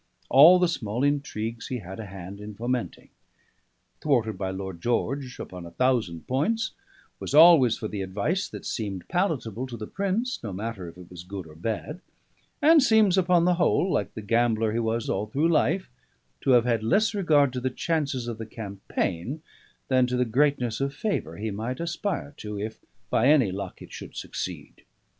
All the small intrigues he had a hand in fomenting; thwarted my Lord George upon a thousand points; was always for the advice that seemed palatable to the Prince, no matter if it was good or bad; and seems upon the whole (like the gambler he was all through life) to have had less regard to the chances of the campaign than to the greatness of favour he might aspire to, if, by any luck, it should succeed.